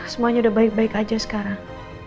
semuanya sudah baik baik saja sekarang